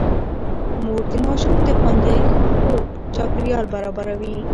مور د ماشوم د خوندي خوب چاپېريال برابروي.